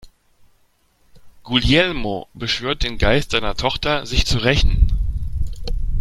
Guglielmo beschwört den Geist seiner Tochter, sich zu rächen.